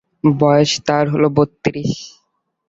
বয়স তার হল বত্রিশ।